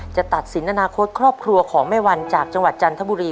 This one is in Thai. จะตัดสินอนาคตครอบครัวของแม่วันจากจังหวัดจันทบุรี